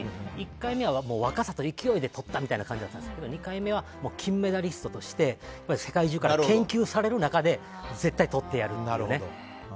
１回目は若さと勢いでとったという感じだったんですが２回目は金メダリストとして世界中から研究される中で絶対、とってやるというね。